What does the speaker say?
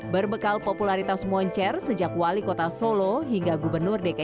berbekal popularitas moncer sejak wali kota solo hingga gubernur dki jakarta